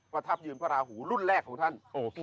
มาถับยืนพระอาหูรุ่นแรกของท่าน